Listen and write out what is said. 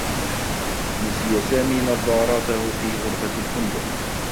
نسي سامي نظّاراته في غرفة الفندق.